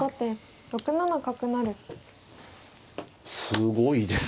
すごいですね。